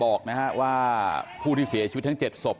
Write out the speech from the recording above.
บอกว่าผู้ที่เสียชีวิตทั้ง๗ศพ